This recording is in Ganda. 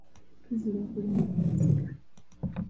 Kizira okulinnya ku masiga.